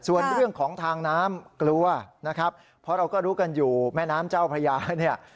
ส่วนเรื่องของทางน้ำกลัวนะครับเพราะเราก็รู้กันอยู่แม่น้ำเจ้าพระยาเนี่ย